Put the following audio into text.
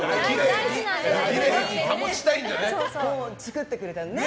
きれいに保ちたいんだね。